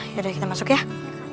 ya udah kita masuk ya yuk